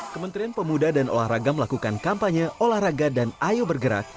kementerian pemuda dan olahraga melakukan kampanye olahraga dan ayo bergerak